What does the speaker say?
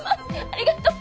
ありがとう。